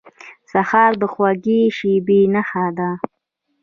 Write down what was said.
سهار د خوږې شېبې نښه ده.